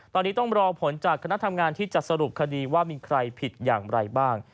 ตอนนี้ต้องรอผลจากคณะทำงานที่จะสรุปคดีว่ามีใครผิดอย่างไรบ้าง